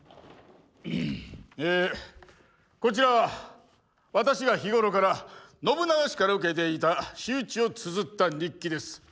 えこちらは私が日頃から信長氏から受けていた仕打ちをつづった日記です。